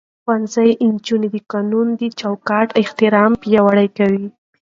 ښوونځی نجونې د قانوني چوکاټ احترام پياوړې کوي.